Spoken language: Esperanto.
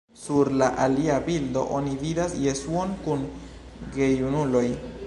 Sur la alia bildo oni vidas Jesuon kun gejunuloj.